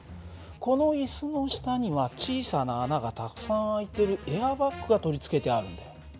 この椅子の下には小さな穴がたくさん開いてるエアバッグが取り付けてあるんだよ。